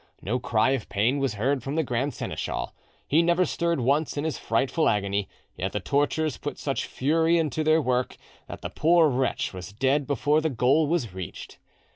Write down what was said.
No cry of pain was heard from the grand seneschal, he never stirred once in his frightful agony; yet the torturers put such fury into their work that the poor wretch was dead before the goal was reached.